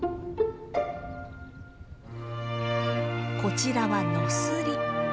こちらはノスリ。